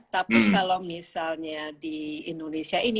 tapi kalau misalnya di indonesia ini